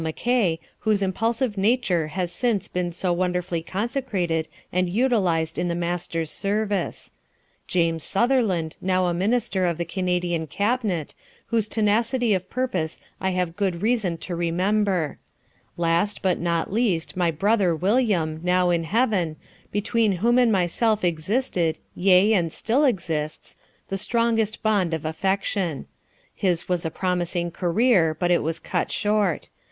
Mackay, whose impulsive nature has since been so wonderfully consecrated and utilized in the Master's service; James Sutherland, now a minister of the Canadian Cabinet, whose tenacity of purpose I have good reason to remember; last, but not least, my brother William, now in heaven, between whom and myself existed, yea, and still exists, the strongest bond of affection. His was a promising career, but it was cut short.